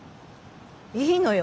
いいのよ